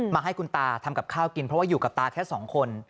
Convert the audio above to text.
ให้คุณตาทำกับข้าวกินเพราะว่าอยู่กับตาแค่สองคน